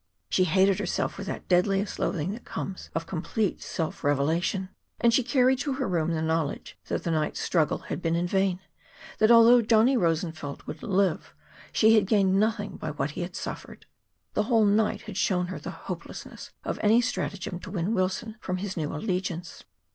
She hated herself with that deadliest loathing that comes of complete self revelation. And she carried to her room the knowledge that the night's struggle had been in vain that, although Johnny Rosenfeld would live, she had gained nothing by what he had suffered. The whole night had shown her the hopelessness of any stratagem to win Wilson from his new allegiance.